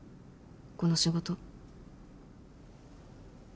この仕事。